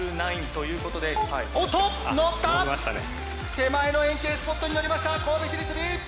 手前の円形スポットにのりました神戸市立Ｂ！